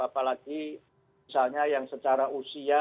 apalagi misalnya yang secara usia